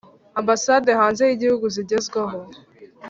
Ambasade hanze y igihugu zigezwaho